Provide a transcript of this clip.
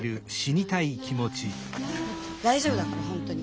大丈夫だから本当に。